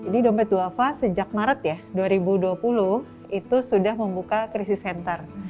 noppeduafa sejak maret dua ribu dua puluh sudah membuka krisis center